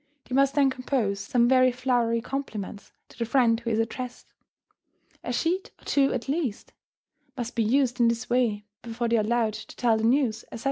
They must then compose some very flowery compliments to the friend who is addressed; a sheet or two, at least, must be used in this way before they are allowed to tell the news, etc.